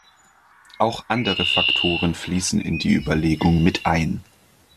Auch andere Faktoren fließen in die Überlegung mit ein.